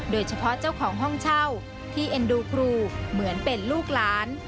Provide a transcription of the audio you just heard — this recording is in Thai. โดยเฉพาะเจ้าของห้องเช่าที่เอ็นดูครูเหมือนเป็นลูกหลาน